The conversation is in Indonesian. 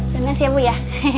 dina siapu ya